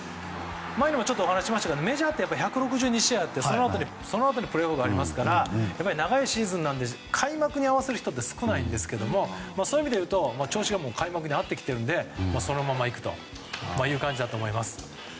前にも話しましたがメジャーは１６２試合あってそのあとにプレーオフがありますから長いシーズンなので開幕に合わせる人は少ないんですがそういう意味で言うと調子が開幕に合ってきているのでそのまま行くという感じだと思います。